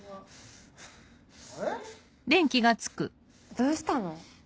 どうしたの？